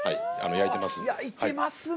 焼いてますね！